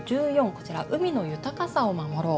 こちら「海の豊かさを守ろう」。